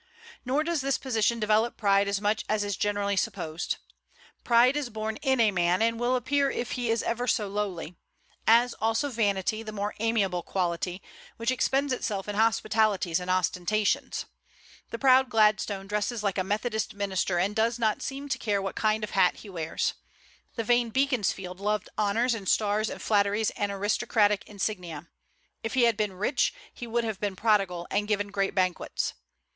Nor does this position develop pride as much as is generally supposed. Pride is born in a man, and will appear if he is ever so lowly; as also vanity, the more amiable quality, which expends itself in hospitalities and ostentations. The proud Gladstone dresses like a Methodist minister, and does not seem to care what kind of a hat he wears. The vain Beaconsfield loved honors and stars and flatteries and aristocratic insignia: if he had been rich he would have been prodigal, and given great banquets.